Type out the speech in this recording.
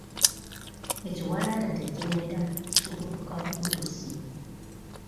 Ekiwalaata tekimera kikutuka bukutusi.